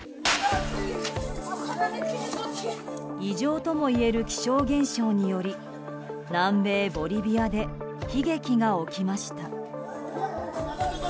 異常ともいえる気象現象により南米ボリビアで悲劇が起きました。